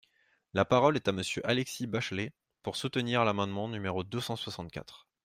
La parole est à Monsieur Alexis Bachelay, pour soutenir l’amendement numéro deux cent soixante-quatre.